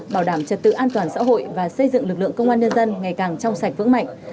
bảo đảm trật tự an toàn xã hội và xây dựng lực lượng công an nhân dân ngày càng trong sạch vững mạnh